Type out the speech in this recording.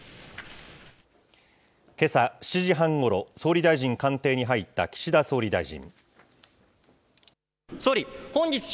けさ７時半ごろ、総理大臣官邸に入った岸田総理大臣。